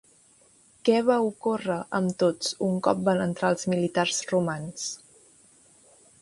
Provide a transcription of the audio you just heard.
Què va ocórrer amb tots un cop van entrar els militars romans?